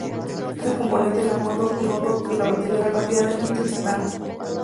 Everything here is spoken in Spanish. Es el componente del ánodo de la batería de recarga rápida de litio-titanato.